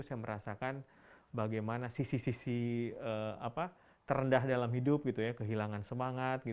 saya merasakan bagaimana sisi sisi terendah dalam hidup kehilangan semangat